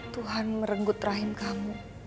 tuhan merenggut rahim kamu